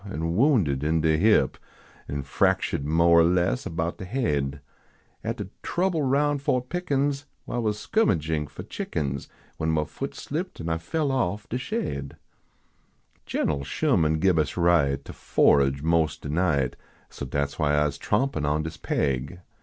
An wounded in de hip, En fractuah d mo er less about de haid, At de trouble roun I o t Pickens. I was skirmagin for chickens When mah foot slipt an I fell off de shaid. Gen l Sherman gib us right To forage mos" de night, So dat s why Ise trompin on dis paig.